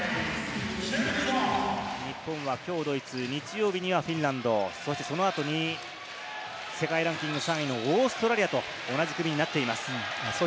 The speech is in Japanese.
日本はきょうドイツ、日曜日にはフィンランド、そしてその後に世界ランキング３位のオーストラリアと同じ組になっています。